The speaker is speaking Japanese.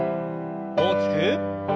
大きく。